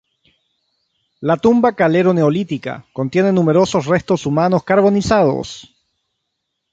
La tumba calero neolítica contiene numerosos restos humanos carbonizados.